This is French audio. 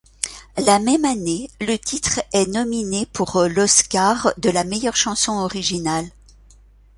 La même année, le titre est nominé pour l'Oscar de la meilleure chanson originale.